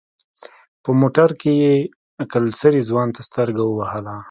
په موټر کې يې کلسري ځوان ته سترګه ووهله.